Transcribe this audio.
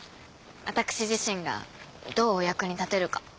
私自身がどうお役に立てるか。